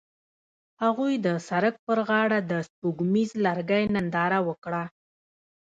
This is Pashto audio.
هغوی د سړک پر غاړه د سپوږمیز لرګی ننداره وکړه.